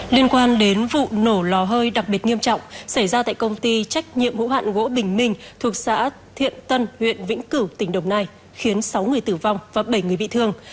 liên quan đến vụ nổ lò hơi đặc biệt nghiêm trọng xảy ra tại công ty trách nhiệm hữu hạn gỗ bình minh thuộc xã thiện tân huyện vĩnh cửu tỉnh đồng nai khiến sáu người tử vong và bảy người bị thương